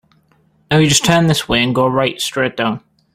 Now you just turn this way and go right straight down.